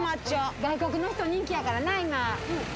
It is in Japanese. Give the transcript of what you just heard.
外国の人に人気やからな。